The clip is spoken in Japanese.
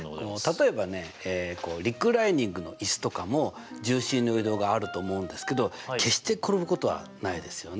例えばねリクライニングの椅子とかも重心の移動があると思うんですけど決して転ぶことはないですよね。